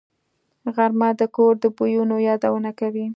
غرمه د کور د بویونو یادونه کوي